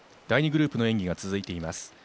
第２グループの演技が続いてます。